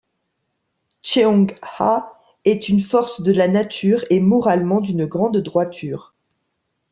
Cheong-hae est une force de la nature et, moralement, d'une grande droiture.